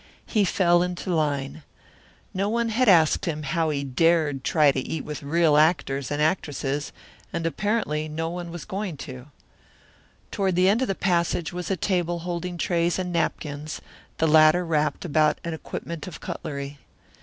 He fell into line. No one had asked him how he dared try to eat with real actors and actresses and apparently no one was going to. Toward the end of the passage was a table holding trays and napkins the latter wrapped about an equipment of cutlery.